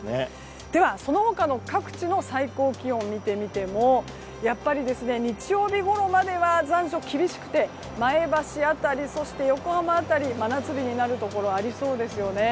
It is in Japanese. では、その他の各地の最高気温を見てみてもやっぱり日曜日ごろまでは残暑が厳しくて前橋辺り、横浜辺りで真夏日になるところがありそうです。